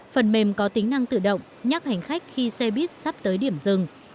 phần mềm có tính năng tự động nhắc hành khách khi xe buýt sắp tới điểm dừng